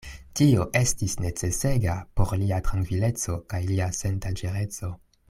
Tio estis necesega por lia trankvileco kaj lia sendanĝereco.